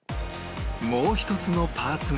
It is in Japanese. もう１つのパーツが